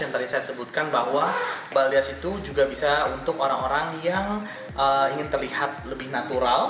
yang tadi saya sebutkan bahwa balias itu juga bisa untuk orang orang yang ingin terlihat lebih natural